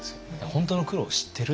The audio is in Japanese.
本当の苦労を知ってる。